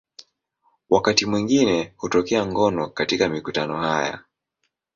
Wakati mwingine hutokea ngono katika mikutano haya.